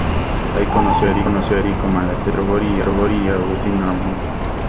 Allí conoció a Errico Malatesta, Pietro Gori y Agustín Hamon.